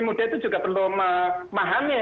muda itu juga perlu memahami